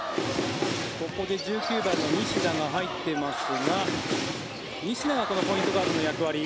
ここで１９番の西田が入っていますが西田はこのポイントガードの役割